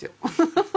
アハハハ！